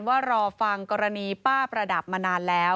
ว่ารอฟังกรณีป้าประดับมานานแล้ว